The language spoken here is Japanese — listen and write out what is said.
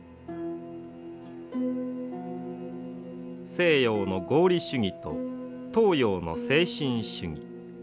西洋の合理主義と東洋の精神主義。